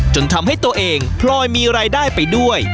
จนทำให้ตัวเองพลอยมีรายได้ไปด้วย